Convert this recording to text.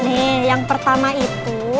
nih yang pertama itu